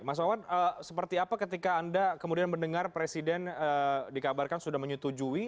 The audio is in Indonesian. mas wawan seperti apa ketika anda kemudian mendengar presiden dikabarkan sudah menyetujui